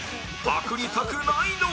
パクりたくないのか？